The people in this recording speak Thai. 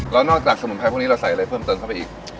แล้วนอกจากสมุนไพรพวกนี้เราใส่อะไรเพิ่มเติมเข้าไปอีก